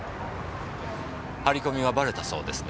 張り込みがバレたそうですね。